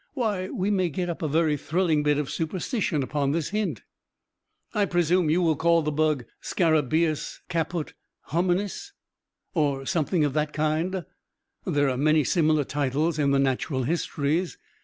Why, we may get up a very thrilling bit of superstition upon this hint. I presume you will call the bug scarabaeus caput hominis, or something of that kind there are many similar titles in the Natural Histories.